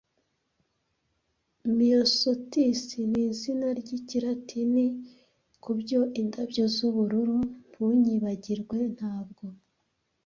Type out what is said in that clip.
Myosotis nizina ryikilatini kubyo indabyo z'ubururu Ntunyibagirwe Ntabwo